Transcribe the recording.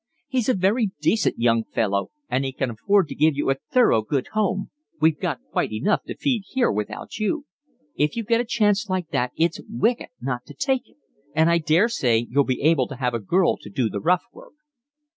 "He's a very decent young fellow and he can afford to give you a thorough good home. We've got quite enough to feed here without you. If you get a chance like that it's wicked not to take it. And I daresay you'd be able to have a girl to do the rough work."